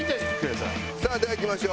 さあではいきましょう。